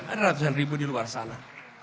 ada ratusan ribu di luar sana